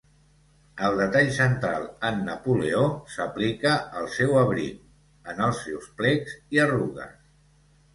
El detall central en Napoleó s'aplica al seu abric, en els seus plecs i arrugues.